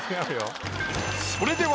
それでは。